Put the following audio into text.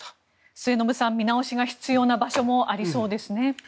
末延さん、見直しが必要な場所もありそうですね。